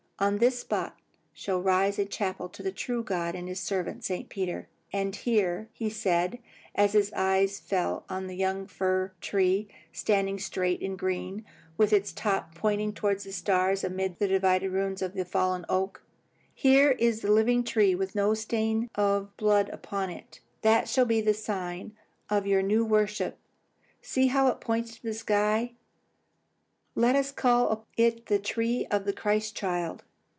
On this spot shall rise a chapel to the true God and his servant St. Peter. "And here," said he, as his eyes fell on a young fir tree, standing straight and green, with its top pointing towards the stars, amid the divided ruins of the fallen oak, "here is the living tree, with no stain of blood upon it, that shall be the sign of your new worship. See how it points to the sky. Let us call it the tree of the Christ child.